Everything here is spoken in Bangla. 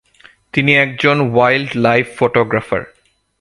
তিনি একজন ওয়াইল্ড লাইফ ফটোগ্রাফার।